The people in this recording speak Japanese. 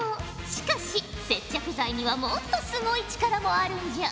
しかし接着剤にはもっとすごい力もあるんじゃ。